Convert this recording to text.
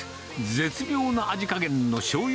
絶妙な味加減のしょうゆ